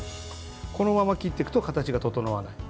このまま切っていくと形が整わない。